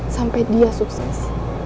sampai dia sukses